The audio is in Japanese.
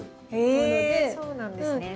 へえそうなんですね。